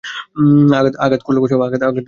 আঘাত করলেও কষ্ট, আঘাত পেলেও কষ্ট।